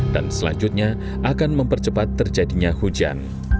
dan selanjutnya akan mempercepat terjadinya hujan